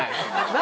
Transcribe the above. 何？